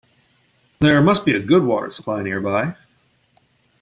There must be a good water supply nearby.